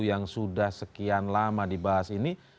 yang sudah sekian lama dibahas ini